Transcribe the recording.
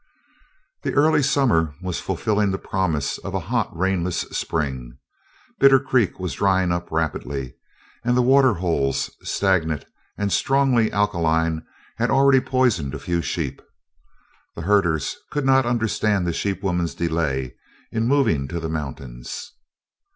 The early summer was fulfilling the promise of a hot rainless spring. Bitter Creek was drying up rapidly and the water holes, stagnant and strongly alkaline, had already poisoned a few sheep. The herders could not understand the sheep woman's delay in moving to the mountains.